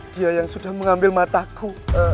dia yang sudah mengambil mataku